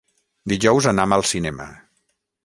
Dijous anam al cinema.